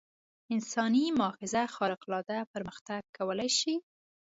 انساني ماغزه خارق العاده پرمختګ کولای شي.